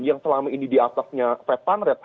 yang selama ini di atasnya fed fund rate